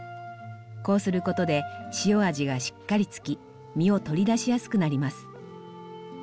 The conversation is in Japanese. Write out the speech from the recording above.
こうすることで塩味がしっかりつき実を取り出しやすくなります。